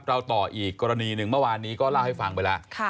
ต่ออีกกรณีหนึ่งเมื่อวานนี้ก็เล่าให้ฟังไปแล้ว